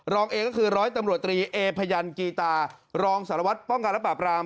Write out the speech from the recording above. เอก็คือร้อยตำรวจตรีเอพยันกีตารองสารวัตรป้องกันและปราบราม